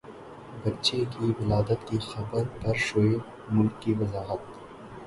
بچے کی ولادت کی خبروں پر شعیب ملک کی وضاحت